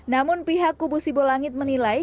namun pihak kubu sibu langit menilai